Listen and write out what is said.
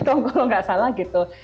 kalau nggak salah gitu